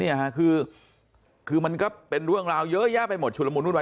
นี่ค่ะคือมันก็เป็นเรื่องราวเยอะแยะไปหมดชุดละมุนวุ่นวา